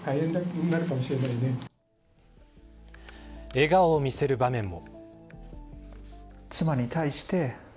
笑顔を見せる場面も。